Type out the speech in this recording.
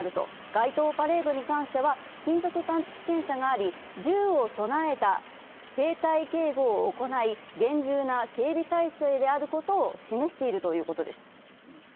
街頭パレードに関しては金属探知機検査があり、銃を備えた兵隊警護を行い、厳重な警備態勢であることを示しているということです。